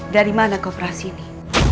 dari mana kau praharsini